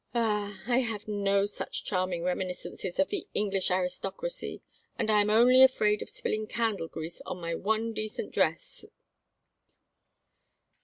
"Ah! I have no such charming reminiscences of the English aristocracy, and I am only afraid of spilling candle grease on my one decent dress."